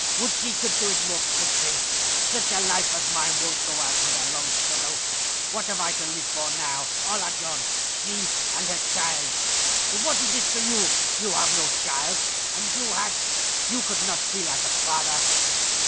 Would she could do it more quickly. Such a life as mine won't go out without a long struggle. What have I to live for now? All are gone she and her child! But what is this to you? You have no child; and if you had, you could not feel like a father.